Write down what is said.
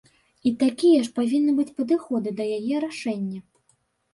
І такія ж павінны быць падыходы да яе рашэння.